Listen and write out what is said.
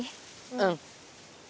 うん！